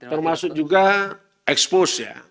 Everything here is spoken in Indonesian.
termasuk juga ekspos ya